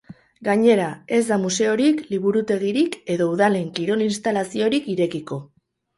Gainera, ez da museorik, liburutegirik edo udalen kirol-instalaziorik irekiko.